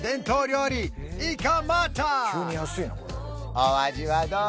お味はどう？